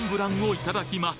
いただきます。